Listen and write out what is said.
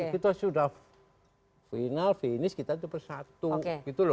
kita sudah final finish kita bersatu gitu loh